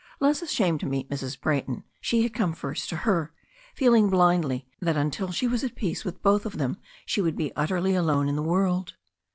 Less ashamed to meet Mrs. Brayton, she had come first to her, feeling blindly that until she was at peace with both of them she would be utterly alone in the world.